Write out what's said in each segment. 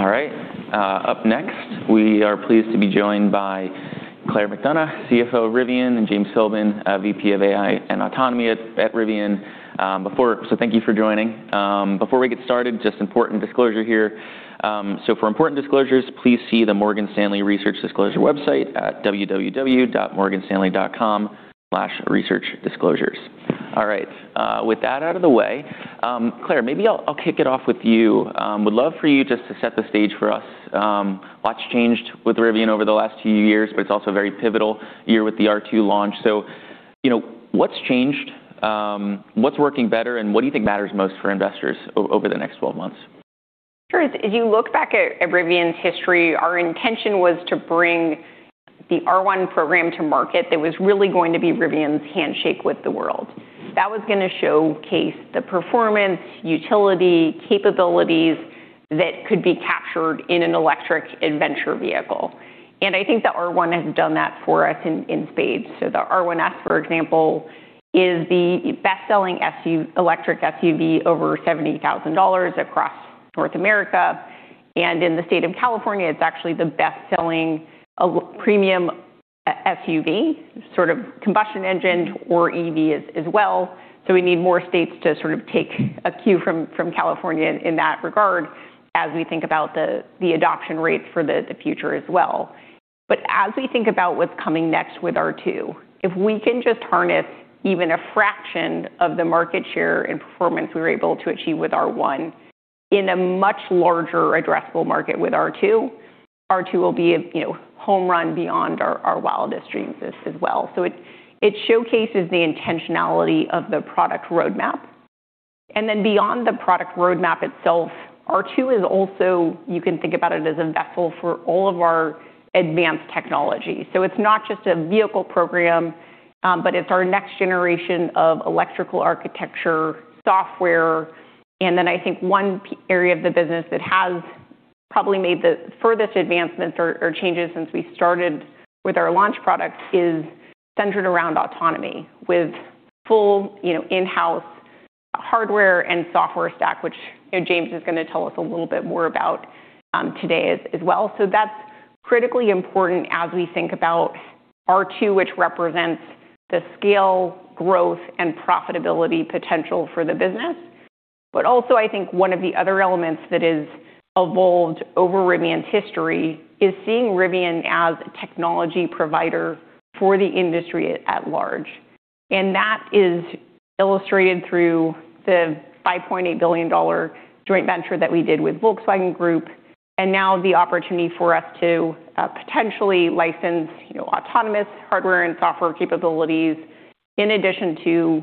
All right, up next, we are pleased to be joined by Claire McDonough, CFO of Rivian, and James Philbin, VP of AI and Autonomy at Rivian. Thank you for joining. Before we get started, just important disclosure here. For important disclosures, please see the Morgan Stanley Research Disclosure website at www.morganstanley.com/researchdisclosures. With that out of the way, Claire, maybe I'll kick it off with you. Would love for you just to set the stage for us. Lots changed with Rivian over the last few years, but it's also a very pivotal year with the R2 launch. You know, what's changed? What's working better, and what do you think matters most for investors over the next 12 months? Sure. If you look back at Rivian's history, our intention was to bring the R1 program to market that was really going to be Rivian's handshake with the world. That was gonna showcase the performance, utility, capabilities that could be captured in an electric adventure vehicle. I think the R1 has done that for us in spades. The R1S, for example, is the best-selling electric SUV over $70,000 across North America. In the state of California, it's actually the best-selling premium SUV, sort of combustion engine or EV as well. We need more states to sort of take a cue from California in that regard as we think about the adoption rates for the future as well. As we think about what's coming next with R2, if we can just harness even a fraction of the market share and performance we were able to achieve with R1 in a much larger addressable market with R2 will be a, you know, home run beyond our wildest dreams as well. It showcases the intentionality of the product roadmap. Beyond the product roadmap itself, R2 is also, you can think about it as a vessel for all of our advanced technology. It's not just a vehicle program, but it's our next generation of electrical architecture software. I think one area of the business that has probably made the furthest advancements or changes since we started with our launch product is centered around autonomy with full, you know, in-house hardware and software stack, which, you know, James is gonna tell us a little bit more about today as well. That's critically important as we think about R2, which represents the scale, growth, and profitability potential for the business. Also, I think one of the other elements that has evolved over Rivian's history is seeing Rivian as a technology provider for the industry at large. That is illustrated through the $5.8 billion joint venture that we did with Volkswagen Group, and now the opportunity for us to potentially license, you know, autonomous hardware and software capabilities in addition to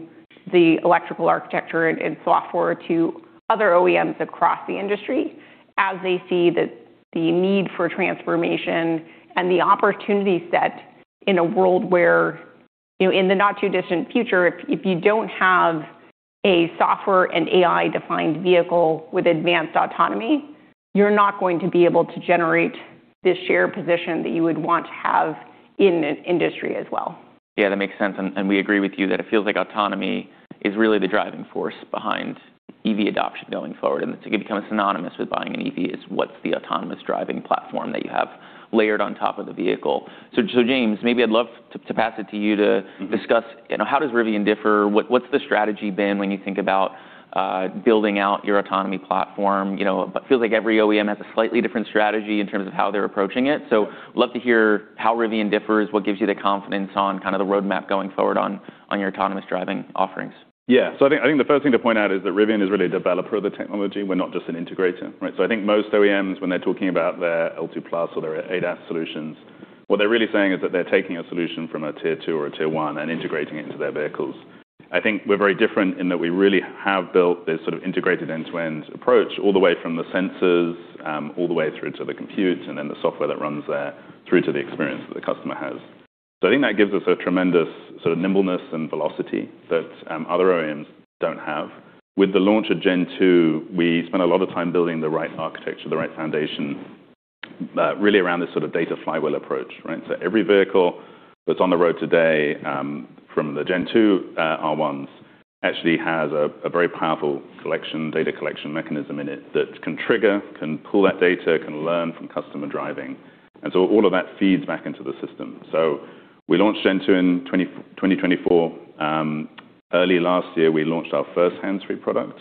the electrical architecture and software to other OEMs across the industry as they see the need for transformation and the opportunity set in a world where, you know, in the not-too-distant future, if you don't have a software and AI-defined vehicle with advanced autonomy, you're not going to be able to generate the share position that you would want to have in an industry as well. Yeah, that makes sense. We agree with you that it feels like autonomy is really the driving force behind EV adoption going forward. It's gonna become synonymous with buying an EV is what's the autonomous driving platform that you have layered on top of the vehicle. James Philbin, maybe I'd love to pass it to you to- Mm-hmm. discuss, you know, how does Rivian differ? What's the strategy been when you think about building out your autonomy platform? You know, it feels like every OEM has a slightly different strategy in terms of how they're approaching it. Love to hear how Rivian differs, what gives you the confidence on kind of the roadmap going forward on your autonomous driving offerings. I think the first thing to point out is that Rivian is really a developer of the technology. We're not just an integrator, right? I think most OEMs, when they're talking about their L2+ or their ADAS solutions, what they're really saying is that they're taking a solution from a Tier 2 or a Tier 1 and integrating it into their vehicles. I think we're very different in that we really have built this sort of integrated end-to-end approach, all the way from the sensors, all the way through to the compute and then the software that runs there through to the experience that the customer has. I think that gives us a tremendous sort of nimbleness and velocity that other OEMs don't have. With the launch of Gen 2, we spent a lot of time building the right architecture, the right foundation, really around this sort of data flywheel approach. Every vehicle that's on the road today, from the Gen 2 R1S actually has a very powerful data collection mechanism in it that can trigger, can pull that data, can learn from customer driving. All of that feeds back into the system. We launched Gen 2 in 2024. Early last year, we launched our first hands-free product.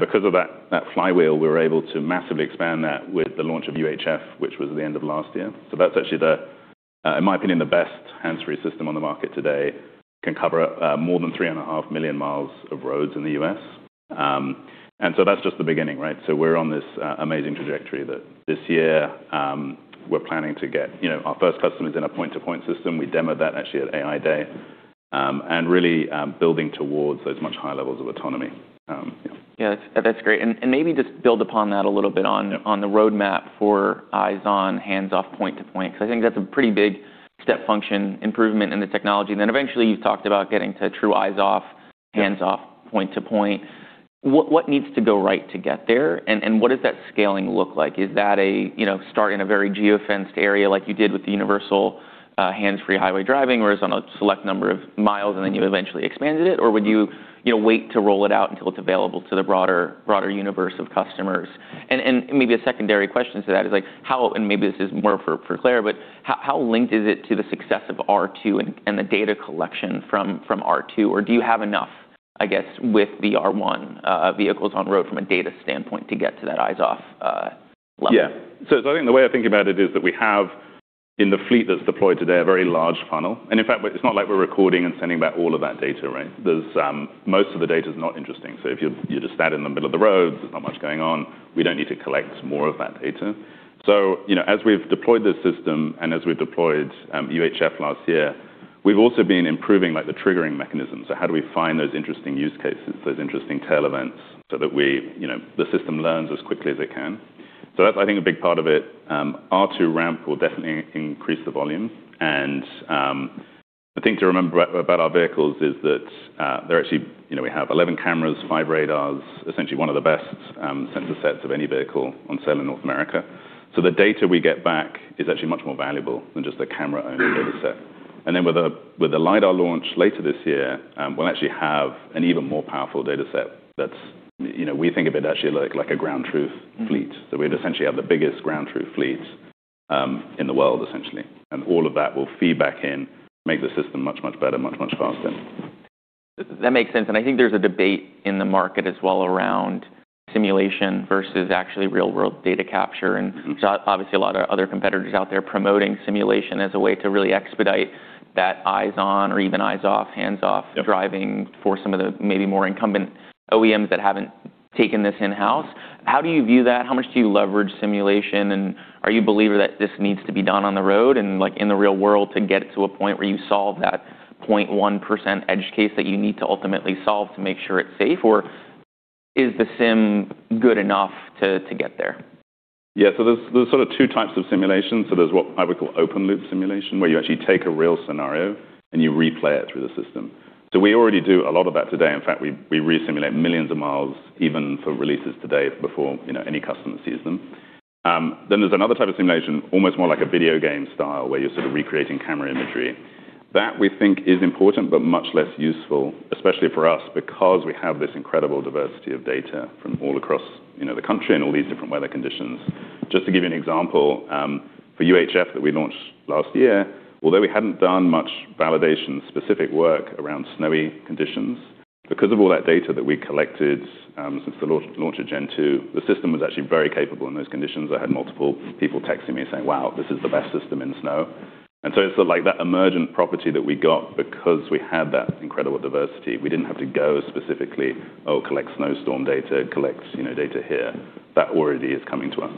Because of that flywheel, we were able to massively expand that with the launch of UHF, which was at the end of last year. That's actually the, in my opinion, the best hands-free system on the market today. Can cover, 3.5 million miles of roads in the U.S. That's just the beginning, right? We're on this amazing trajectory that this year, we're planning to get, you know, our first customers in our point-to-point system. We demoed that actually at AI Day. Really, building towards those much higher levels of autonomy. Yeah. Yeah, that's great. Maybe just build upon that a little bit on the roadmap for eyes-on, hands-off, point-to-point, because I think that's a pretty big step function improvement in the technology. Then eventually, you talked about getting to true eyes-off, hands-off, point-to-point. What, what needs to go right to get there? What does that scaling look like? Is that a, you know, start in a very geo-fenced area like you did with the Universal Hands-Free highway driving, where it's on a select number of miles, and then you eventually expanded it? Or would you know, wait to roll it out until it's available to the broader universe of customers? Maybe a secondary question to that is, like, how and maybe this is more for Claire McDonough, but how linked is it to the success of R2 and the data collection from R2? Or do you have enough, I guess, with the R1 vehicles on road from a data standpoint to get to that eyes-off level? I think the way I think about it is that we have, in the fleet that's deployed today, a very large funnel. In fact, it's not like we're recording and sending back all of that data, right? There's most of the data is not interesting. If you're just sat in the middle of the road, there's not much going on. We don't need to collect more of that data. You know, as we've deployed this system and as we deployed Universal Hands-Free last year, we've also been improving, like, the triggering mechanism. How do we find those interesting use cases, those interesting tail events, so that we, you know, the system learns as quickly as it can? That's, I think, a big part of it. R2 ramp will definitely increase the volume. The thing to remember about our vehicles is that, you know, we have 11 cameras, five radars, essentially one of the best sensor sets of any vehicle on sale in North America. The data we get back is actually much more valuable than just the camera-only data set. With the LiDAR launch later this year, we'll actually have an even more powerful data set, you know, we think of it actually like a ground truth fleet. We essentially have the biggest ground truth fleet in the world, essentially. All of that will feed back in, make the system much better, much faster. That makes sense. I think there's a debate in the market as well around simulation versus actually real-world data capture. Obviously, a lot of other competitors out there promoting simulation as a way to really expedite that eyes-on or even eyes-off, hands-off- Yep... driving for some of the maybe more incumbent OEMs that haven't taken this in-house. How do you view that? How much do you leverage simulation? Are you a believer that this needs to be done on the road and, like, in the real world to get to a point where you solve that 0.1% edge case that you need to ultimately solve to make sure it's safe? Is the sim good enough to get there? Yeah. There's sort of two types of simulations. There's what I would call open-loop simulation, where you actually take a real scenario and you replay it through the system. We already do a lot of that today. In fact, we resimulate millions of miles even for releases today before, you know, any customer sees them. There's another type of simulation, almost more like a video game style, where you're sort of recreating camera imagery. That we think is important but much less useful, especially for us, because we have this incredible diversity of data from all across, you know, the country and all these different weather conditions. Just to give you an example, for UHF that we launched last year, although we hadn't done much validation-specific work around snowy conditions. Because of all that data that we collected, since the launch of Gen 2, the system was actually very capable in those conditions. I had multiple people texting me saying, "Wow, this is the best system in snow." It's like that emergent property that we got because we had that incredible diversity. We didn't have to go specifically, collect snowstorm data, collect, you know, data here. That already is coming to us.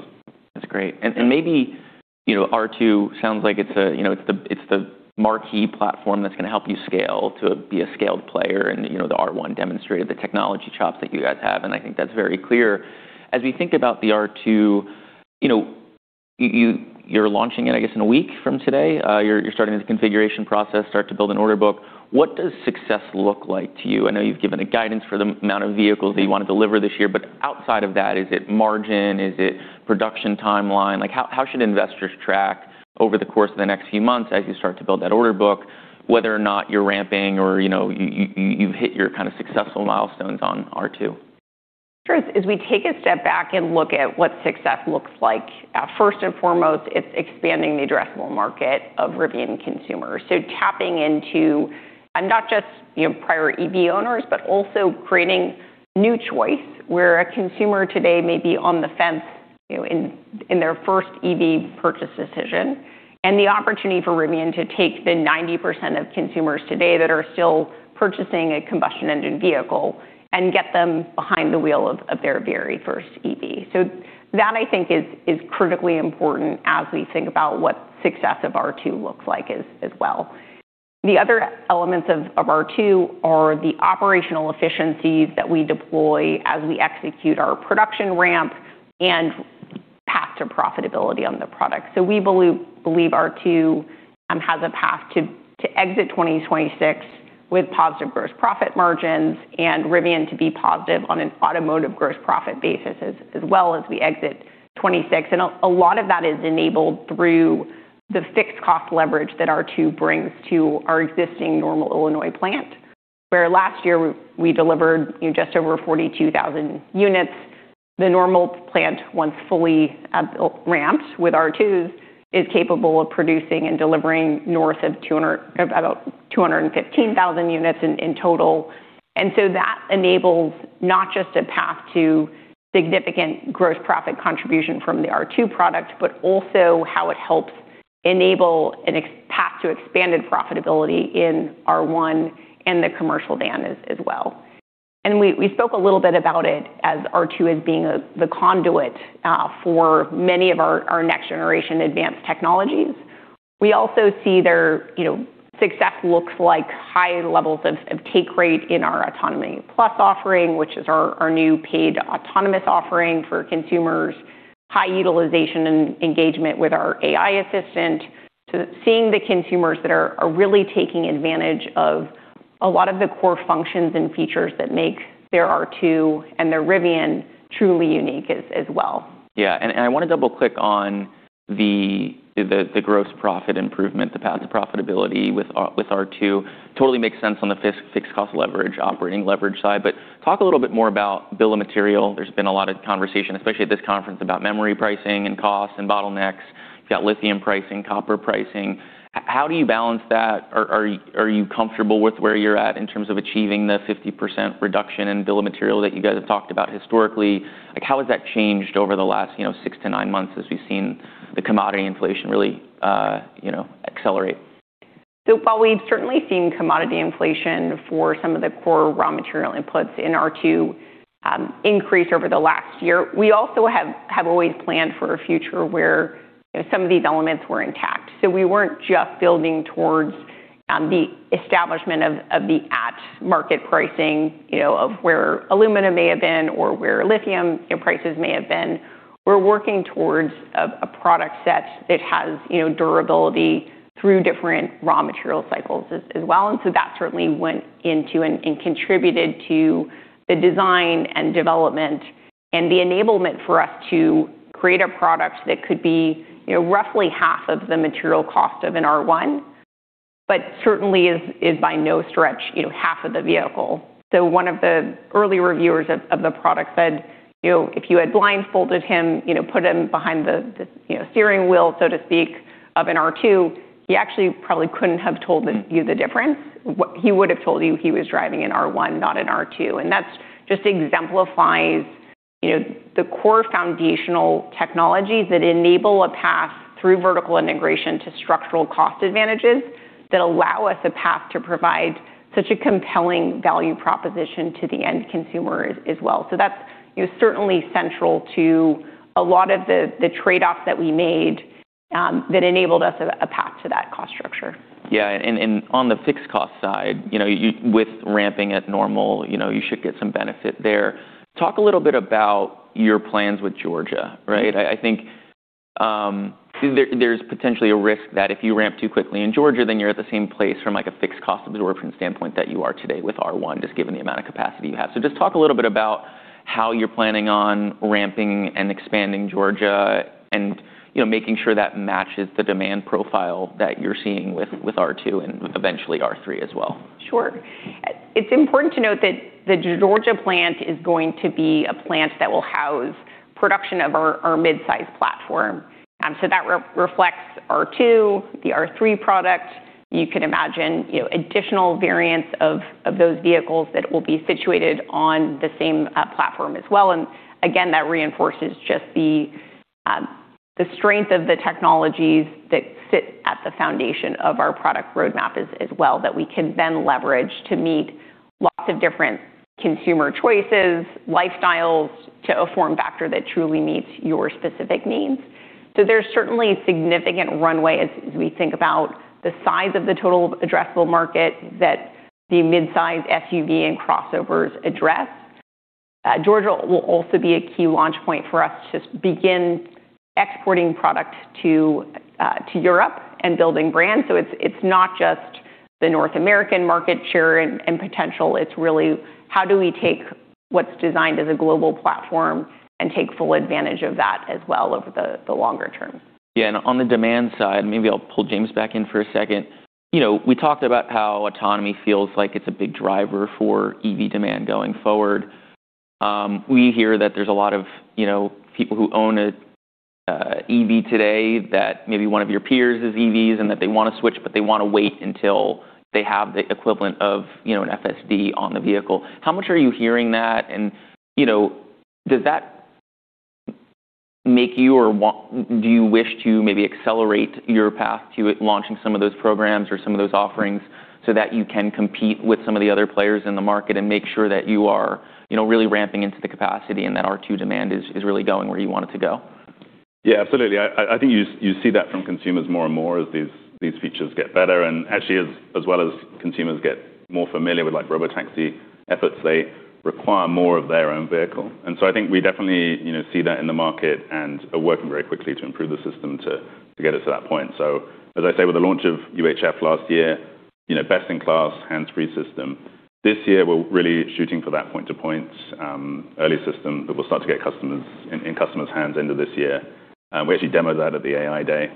That's great. Maybe, you know, R2 sounds like it's a, you know, it's the marquee platform that's gonna help you scale to be a scaled player. You know, the R1 demonstrated the technology chops that you guys have, and I think that's very clear. As we think about the R2, you know, you're launching it, I guess, in a week from today. You're starting this configuration process, start to build an order book. What does success look like to you? I know you've given a guidance for the amount of vehicles that you wanna deliver this year, but outside of that, is it margin? Is it production timeline? Like, how should investors track over the course of the next few months as you start to build that order book, whether or not you're ramping or, you know, you've hit your kind of successful milestones on R2? Sure. As we take a step back and look at what success looks like, first and foremost, it's expanding the addressable market of Rivian consumers. Tapping into, and not just, you know, prior EV owners, but also creating new choice where a consumer today may be on the fence, you know, in their first EV purchase decision. The opportunity for Rivian to take the 90% of consumers today that are still purchasing a combustion engine vehicle and get them behind the wheel of their very first EV. That, I think is critically important as we think about what success of R2 looks like as well. The other elements of R2 are the operational efficiencies that we deploy as we execute our production ramp and path to profitability on the product. We believe R2 has a path to exit 2026 with positive gross profit margins and Rivian to be positive on an automotive gross profit basis as well as we exit 2026. A lot of that is enabled through the fixed cost leverage that R2 brings to our existing Normal, Illinois plant, where last year we delivered, you know, just over 42,000 units. The Normal plant, once fully ramped with R2s, is capable of producing and delivering north of about 215,000 units in total. That enables not just a path to significant gross profit contribution from the R2 product, but also how it helps enable a path to expanded profitability in R1 and the commercial vans as well. We spoke a little bit about it as R2 as being the conduit for many of our next generation advanced technologies. We also see their, you know, success looks like high levels of take rate in our Autonomy+ offering, which is our new paid autonomous offering for consumers. High utilization and engagement with our Rivian Assistant to seeing the consumers that are really taking advantage of a lot of the core functions and features that make their R2 and their Rivian truly unique as well. Yeah. I wanna double-click on the gross profit improvement, the path to profitability with R2. Totally makes sense on the fixed cost leverage, operating leverage side. Talk a little bit more about Bill of Materials. There's been a lot of conversation, especially at this conference, about memory pricing and costs and bottlenecks. You've got lithium pricing, copper pricing. How do you balance that? Are you comfortable with where you're at in terms of achieving the 50% reduction in Bill of Materials that you guys have talked about historically? Like, how has that changed over the last, you know, six to nine months as we've seen the commodity inflation really, you know, accelerate? While we've certainly seen commodity inflation for some of the core raw material inputs in R2 increase over the last year, we also have always planned for a future where, you know, some of these elements were intact. We weren't just building towards the establishment of the at market pricing, you know, of where aluminum may have been or where lithium, you know, prices may have been. We're working towards a product set that has, you know, durability through different raw material cycles as well. That certainly went into and contributed to the design and development and the enablement for us to create a product that could be, you know, roughly half of the material cost of an R1, but certainly is by no stretch, you know, half of the vehicle. One of the early reviewers of the product said, you know, if you had blindfolded him, you know, put him behind the steering wheel, so to speak, of an R2, he actually probably couldn't have told you the difference. He would've told you he was driving an R1, not an R2. That just exemplifies, you know, the core foundational technologies that enable a path through vertical integration to structural cost advantages that allow us a path to provide such a compelling value proposition to the end consumer as well. That's, you know, certainly central to a lot of the trade-offs that we made that enabled us a path to that cost structure. On the fixed cost side, you know, with ramping at normal, you know, you should get some benefit there. Talk a little bit about your plans with Georgia, right? I think there's potentially a risk that if you ramp too quickly in Georgia, then you're at the same place from like a fixed cost absorption standpoint that you are today with R1, just given the amount of capacity you have. Just talk a little bit about how you're planning on ramping and expanding Georgia and, you know, making sure that matches the demand profile that you're seeing with R2 and eventually R3 as well. Sure. It's important to note that the Georgia plant is going to be a plant that will house production of our mid-size platform. That reflects R2, the R3 product. You can imagine, you know, additional variants of those vehicles that will be situated on the same platform as well. Again, that reinforces just the strength of the technologies that sit at the foundation of our product roadmap as well, that we can then leverage to meet lots of different consumer choices, lifestyles to a form factor that truly meets your specific needs. There's certainly significant runway as we think about the size of the total addressable market that the mid-size SUV and crossovers address. Georgia will also be a key launch point for us to begin exporting product to Europe and building brands. It's not just the North American market share and potential. It's really how do we take what's designed as a global platform and take full advantage of that as well over the longer term. Yeah. On the demand side, maybe I'll pull James back in for a second. You know, we talked about how autonomy feels like it's a big driver for EV demand going forward. We hear that there's a lot of, you know, people who own a EV today that maybe one of your peers is EVs and that they wanna switch, but they wanna wait until they have the equivalent of, you know, an FSD on the vehicle. How much are you hearing that? You know, does that make you or do you wish to maybe accelerate your path to launching some of those programs or some of those offerings so that you can compete with some of the other players in the market and make sure that you are, you know, really ramping into the capacity and that R2 demand is really going where you want it to go? Absolutely. I think you see that from consumers more and more as these features get better and actually as well as consumers get more familiar with, like, robotaxi efforts, they require more of their own vehicle. I think we definitely, you know, see that in the market and are working very quickly to improve the system to get us to that point. As I say, with the launch of UHF last year, you know, best in class hands-free system. This year, we're really shooting for that point to point early system that will start to get customers' hands end of this year. We actually demoed that at the AI Day.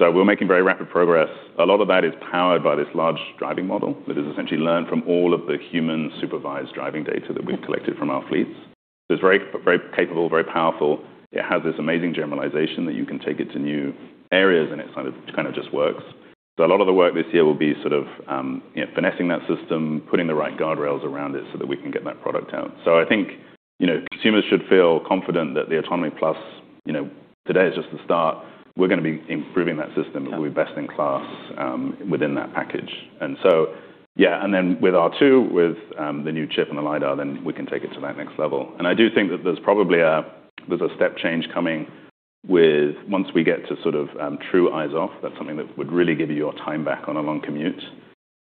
We're making very rapid progress. A lot of that is powered by this large driving model that is essentially learned from all of the human supervised driving data that we've collected from our fleets. It's very capable, very powerful. It has this amazing generalization that you can take it to new areas, it sort of, kind of just works. A lot of the work this year will be sort of, you know, finessing that system, putting the right guardrails around it so that we can get that product out. I think, you know, consumers should feel confident that the Autonomy+, you know, today is just the start. We're gonna be improving that system. We'll be best in class within that package. Yeah. With R2, with the new chip and the LiDAR, then we can take it to that next level. I do think that there's probably there's a step change coming. Once we get to sort of true eyes off, that's something that would really give you your time back on a long commute.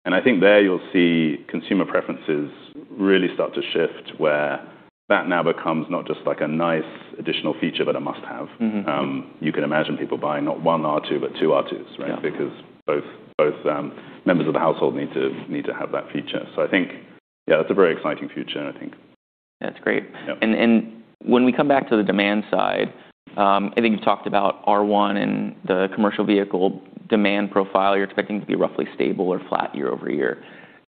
I think there you'll see consumer preferences really start to shift where that now becomes not just, like, a nice additional feature, but a must-have. Mm-hmm. You can imagine people buying not one R2, but two R2s, right? Yeah. Both members of the household need to have that feature. I think, yeah, that's a very exciting future, I think. That's great. Yeah. When we come back to the demand side, I think you've talked about R1 and the commercial vehicle demand profile you're expecting to be roughly stable or flat year-over-year.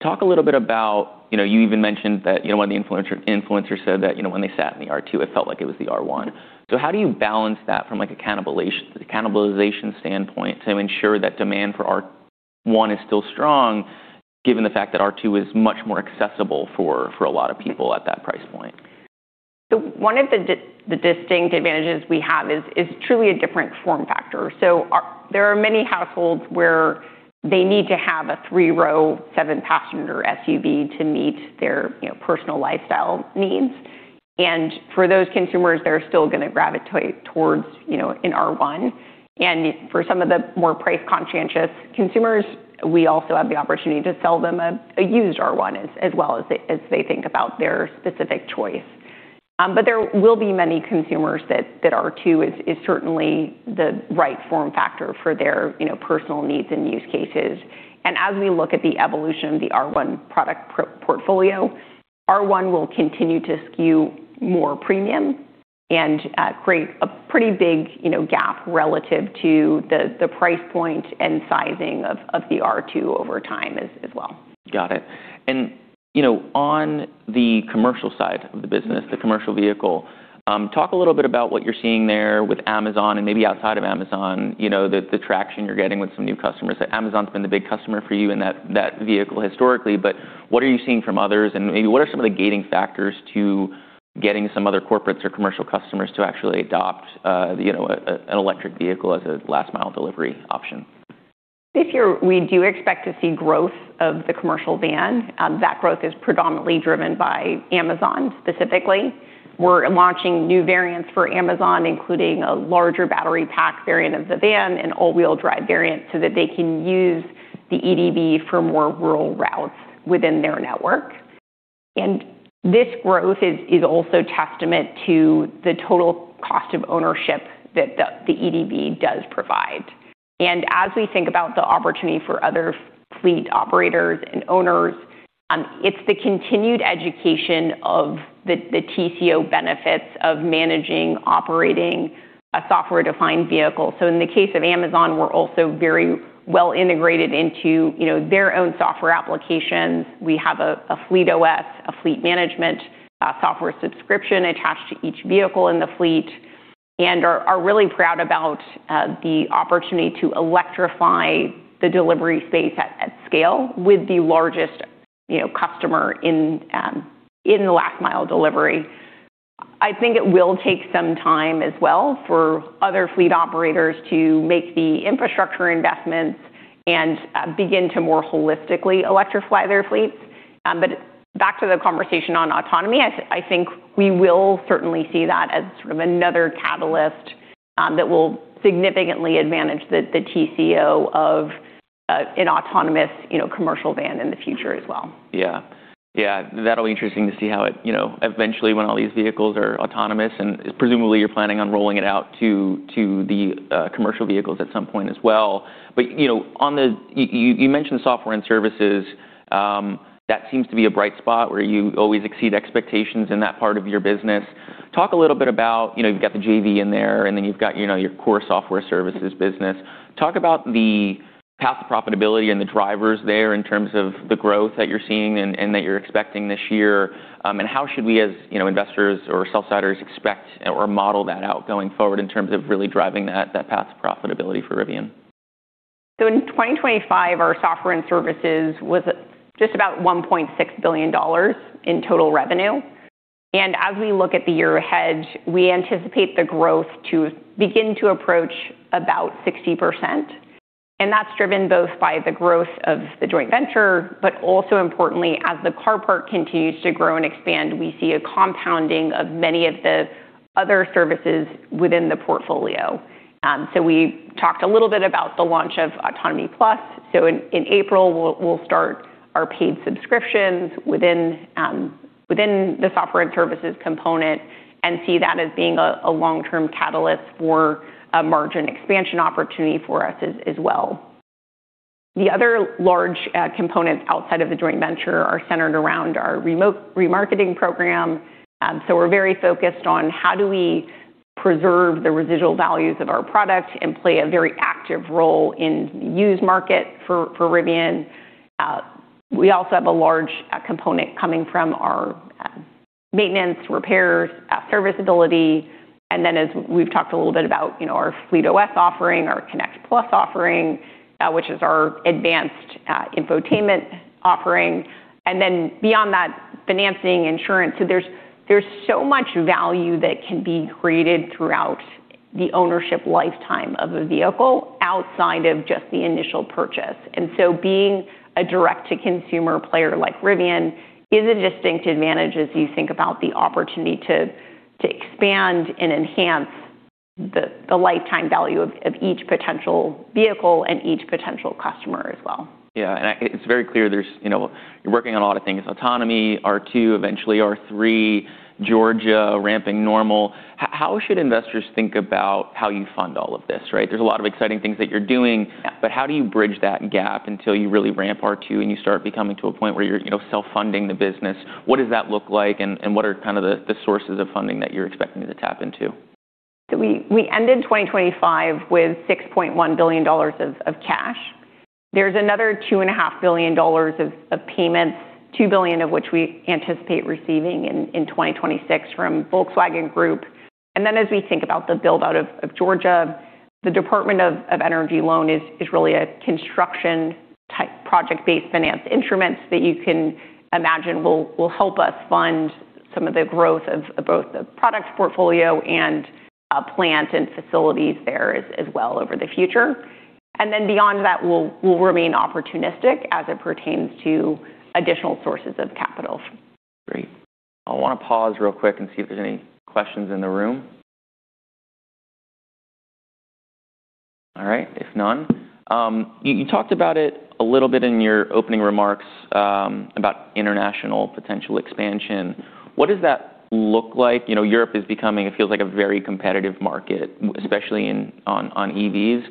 Talk a little bit about, you know, you even mentioned that, you know, when the influencer said that, you know, when they sat in the R2, it felt like it was the R1. How do you balance that from, like, a cannibalization standpoint to ensure that demand for R1 is still strong given the fact that R2 is much more accessible for a lot of people at that price point? One of the distinct advantages we have is truly a different form factor. There are many households where they need to have a three-row, seven-passenger SUV to meet their, you know, personal lifestyle needs. For those consumers, they're still gonna gravitate towards, you know, an R1. For some of the more price-conscientious consumers, we also have the opportunity to sell them a used R1 as well as they think about their specific choice. There will be many consumers that R2 is certainly the right form factor for their, you know, personal needs and use cases. As we look at the evolution of the R1 product portfolio, R1 will continue to skew more premium and create a pretty big, you know, gap relative to the price point and sizing of the R2 over time as well. Got it. you know, on the commercial side of the business... Mm-hmm. The commercial vehicle, talk a little bit about what you're seeing there with Amazon and maybe outside of Amazon, you know, the traction you're getting with some new customers. Amazon's been the big customer for you in that vehicle historically, but what are you seeing from others, and maybe what are some of the gating factors to getting some other corporates or commercial customers to actually adopt, you know, an electric vehicle as a last-mile delivery option? We do expect to see growth of the commercial van. That growth is predominantly driven by Amazon specifically. We're launching new variants for Amazon, including a larger battery pack variant of the van and all-wheel drive variant so that they can use the EDV for more rural routes within their network. This growth is also testament to the total cost of ownership that the EDV does provide. As we think about the opportunity for other fleet operators and owners, it's the continued education of the TCO benefits of managing, operating a software-defined vehicle. In the case of Amazon, we're also very well integrated into, you know, their own software applications. We have a FleetOS, a fleet management software subscription attached to each vehicle in the fleet and are really proud about the opportunity to electrify the delivery space at scale with the largest, you know, customer in last mile delivery. I think it will take some time as well for other fleet operators to make the infrastructure investments and begin to more holistically electrify their fleets. Back to the conversation on autonomy, I think we will certainly see that as sort of another catalyst that will significantly advantage the TCO of an autonomous, you know, commercial van in the future as well. Yeah. Yeah. That'll be interesting to see how it, you know, eventually when all these vehicles are autonomous and presumably you're planning on rolling it out to the commercial vehicles at some point as well. You know, on the you mentioned software and services. That seems to be a bright spot where you always exceed expectations in that part of your business. Talk a little bit about, you know, you've got the JV in there, and then you've got, you know, your core software services business. Talk about the path to profitability and the drivers there in terms of the growth that you're seeing and that you're expecting this year. How should we as, you know, investors or sell-siders expect or model that out going forward in terms of really driving that path to profitability for Rivian? In 2025, our software and services was just about $1.6 billion in total revenue. As we look at the year ahead, we anticipate the growth to begin to approach about 60%. That's driven both by the growth of the joint venture, but also importantly as the car part continues to grow and expand, we see a compounding of many of the other services within the portfolio. We talked a little bit about the launch of Autonomy+. In April, we'll start our paid subscriptions within the software and services component and see that as being a long-term catalyst for a margin expansion opportunity for us as well. The other large components outside of the joint venture are centered around our remote remarketing program. We're very focused on how do we preserve the residual values of our product and play a very active role in used market for Rivian. We also have a large component coming from our maintenance, repairs, serviceability, and then as we've talked a little bit about, you know, our FleetOS offering, our Connect+ offering, which is our advanced infotainment offering. Beyond that, financing, insurance. There's so much value that can be created throughout the ownership lifetime of a vehicle outside of just the initial purchase. Being a direct-to-consumer player like Rivian is a distinct advantage as you think about the opportunity to expand and enhance the lifetime value of each potential vehicle and each potential customer as well. Yeah. It's very clear, you know, you're working on a lot of things, autonomy, R2, eventually R3, Georgia ramping normal. How should investors think about how you fund all of this, right? There's a lot of exciting things that you're doing. Yeah. How do you bridge that gap until you really ramp R2, and you start becoming to a point where you're, you know, self-funding the business? What does that look like and what are kind of the sources of funding that you're expecting to tap into? We ended 2025 with $6.1 billion of cash. There's another two and a half billion dollars of payments, $2 billion of which we anticipate receiving in 2026 from Volkswagen Group. As we think about the build-out of Georgia, the Department of Energy loan is really a construction type project-based finance instruments that you can imagine will help us fund some of the growth of both the product portfolio and plant and facilities there as well over the future. Beyond that, we'll remain opportunistic as it pertains to additional sources of capital. Great. I wanna pause real quick and see if there's any questions in the room. All right. If none, you talked about it a little bit in your opening remarks about international potential expansion. What does that look like? You know, Europe is becoming, it feels like, a very competitive market, especially on EVs.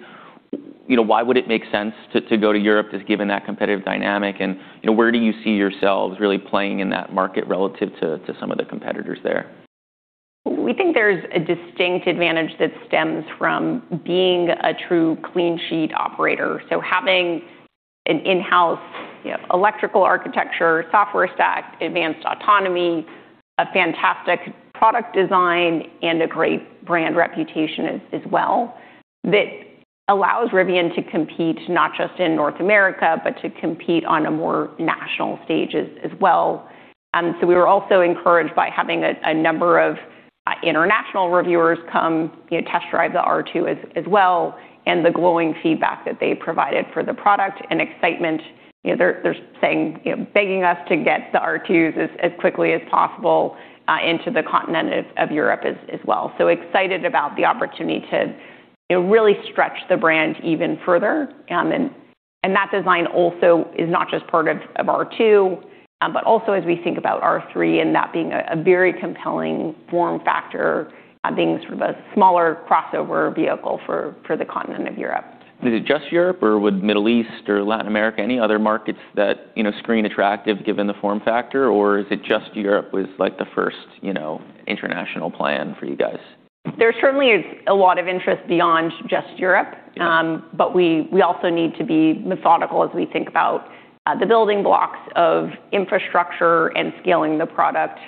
You know, why would it make sense to go to Europe just given that competitive dynamic? You know, where do you see yourselves really playing in that market relative to some of the competitors there? We think there's a distinct advantage that stems from being a true clean sheet operator. Having an in-house, you know, electrical architecture, software stack, advanced autonomy, a fantastic product design, and a great brand reputation as well, that allows Rivian to compete not just in North America, but to compete on a more national stage as well. We were also encouraged by having a number of international reviewers come, you know, test drive the R2 as well, and the glowing feedback that they provided for the product and excitement. You know, they're saying, you know, begging us to get the R2s as quickly as possible into the continent of Europe as well. Excited about the opportunity to, you know, really stretch the brand even further. That design also is not just part of R2, but also as we think about R3, and that being a very compelling form factor, being sort of a smaller crossover vehicle for the continent of Europe. Is it just Europe or would Middle East or Latin America, any other markets that, you know, screen attractive given the form factor, or is it just Europe was like the first, you know, international plan for you guys? There certainly is a lot of interest beyond just Europe. Yeah. We also need to be methodical as we think about the building blocks of infrastructure and scaling the product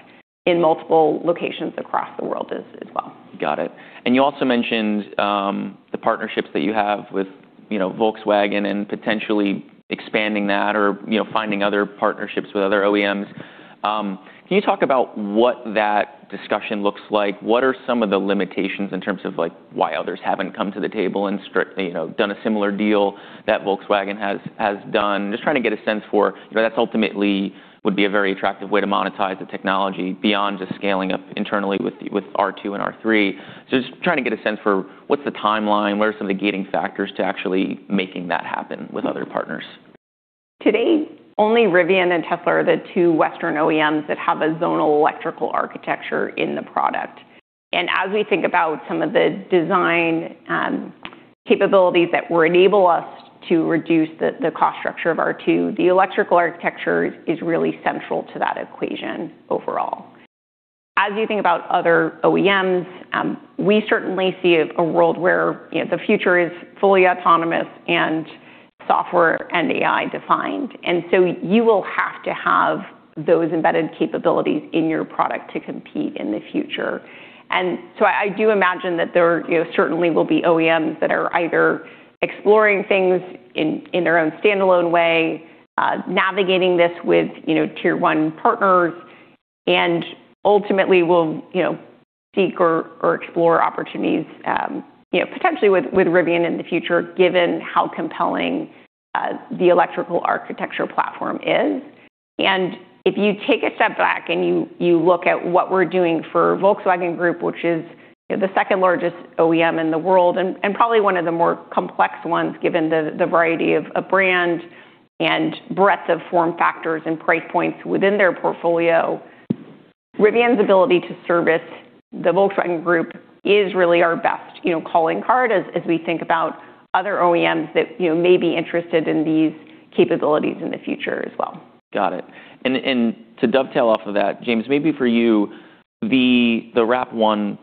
in multiple locations across the world as well. Got it. You also mentioned, the partnerships that you have with, you know, Volkswagen and potentially expanding that or, you know, finding other partnerships with other OEMs. Can you talk about what that discussion looks like? What are some of the limitations in terms of, like, why others haven't come to the table and strictly, you know, done a similar deal that Volkswagen has done? Just trying to get a sense for That's ultimately would be a very attractive way to monetize the technology beyond just scaling up internally with R2 and R3. Just trying to get a sense for what's the timeline, what are some of the gating factors to actually making that happen with other partners. To date, only Rivian and Tesla are the two Western OEMs that have a zonal electrical architecture in the product. As we think about some of the design capabilities that will enable us to reduce the cost structure of R2, the electrical architecture is really central to that equation overall. As you think about other OEMs, we certainly see a world where, you know, the future is fully autonomous and software and AI defined. You will have to have those embedded capabilities in your product to compete in the future. I do imagine that there, you know, certainly will be OEMs that are either exploring things in their own standalone way, navigating this with, you know, Tier 1 partners, and ultimately will, you know, seek or explore opportunities, you know, potentially with Rivian in the future, given how compelling the electrical architecture platform is. If you take a step back and you look at what we're doing for Volkswagen Group, which is, you know, the second largest OEM in the world, and probably one of the more complex ones, given the variety of brand and breadth of form factors and price points within their portfolio. Rivian's ability to service the Volkswagen Group is really our best, you know, calling card as we think about other OEMs that, you know, may be interested in these capabilities in the future as well. Got it. To dovetail off of that, James, maybe for you, the RAP1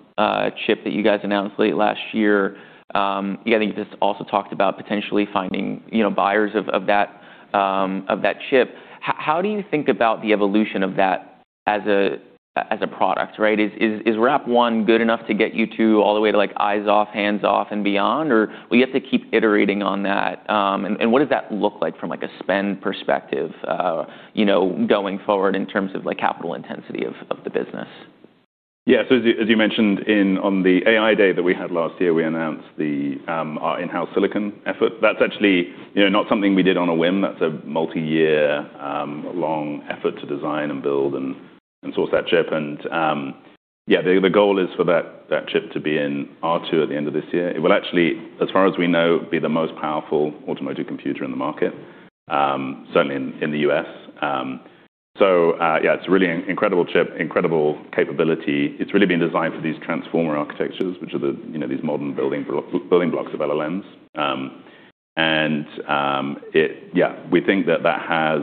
chip that you guys announced late last year, I think you just also talked about potentially finding, you know, buyers of that chip. How do you think about the evolution of that as a product, right? Is RAP1 good enough to get you to all the way to, like, eyes off, hands off and beyond? Or will you have to keep iterating on that? What does that look like from, like, a spend perspective, you know, going forward in terms of, like, capital intensity of the business? As you mentioned on the Autonomy & AI Day that we had last year, we announced the our in-house silicon effort. That's actually, you know, not something we did on a whim. That's a multi-year long effort to design and build and source that chip. The goal is for that chip to be in R2 at the end of this year. It will actually, as far as we know, be the most powerful automotive computer in the market, certainly in the U.S. It's a really incredible chip, incredible capability. It's really been designed for these transformer architectures, which are the, you know, these modern building blocks of LLMs. We think that that has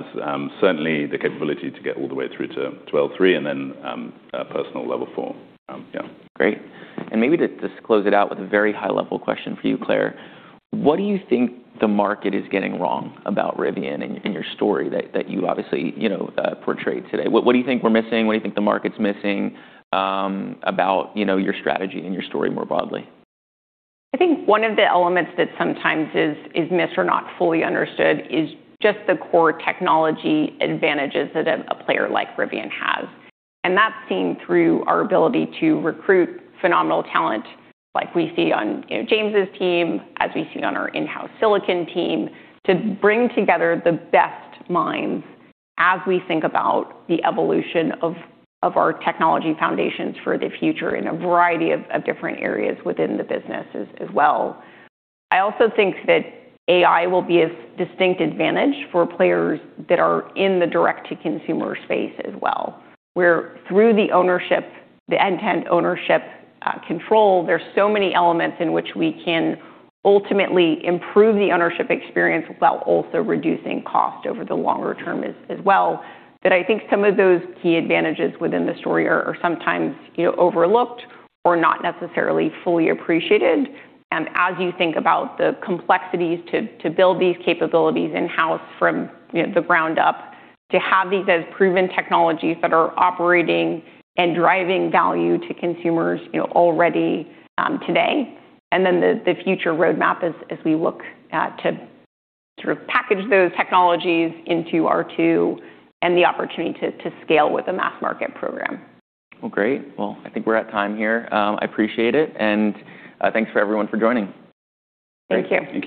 certainly the capability to get all the way through to L3 and then personal Level 4. Great. Maybe to just close it out with a very high-level question for you, Claire. What do you think the market is getting wrong about Rivian and your story that you obviously, you know, portrayed today? What do you think we're missing? What do you think the market's missing about, you know, your strategy and your story more broadly? I think one of the elements that sometimes is missed or not fully understood is just the core technology advantages that a player like Rivian has. That's seen through our ability to recruit phenomenal talent like we see on, you know, James' team, as we see on our in-house silicon team, to bring together the best minds as we think about the evolution of our technology foundations for the future in a variety of different areas within the business as well. I also think that AI will be a distinct advantage for players that are in the direct-to-consumer space as well, where through the ownership, the end-to-end ownership, control, there's so many elements in which we can ultimately improve the ownership experience while also reducing cost over the longer term as well. That I think some of those key advantages within the story are sometimes, you know, overlooked or not necessarily fully appreciated. As you think about the complexities to build these capabilities in-house from, you know, the ground up, to have these as proven technologies that are operating and driving value to consumers, you know, already, today. Then the future roadmap as we look at to sort of package those technologies into R2 and the opportunity to scale with a mass market program. Well, great. Well, I think we're at time here. I appreciate it, and thanks for everyone for joining. Thank you.